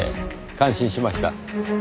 感心しました。